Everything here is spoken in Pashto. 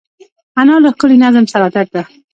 انا له ښکلي نظم سره عادت ده